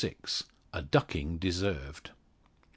A DUCKING DESERVED.